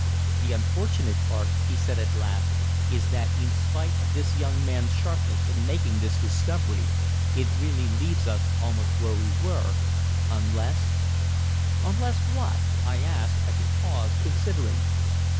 "The unfortunate part," he said at last, "is that in spite of this young man's sharpness in making this discovery, it really leaves us almost where we were, unless " "Unless what?" I asked, as he paused, considering.